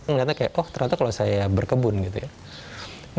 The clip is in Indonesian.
ngeliatnya kayak oh ternyata kalau saya berkebun gitu ya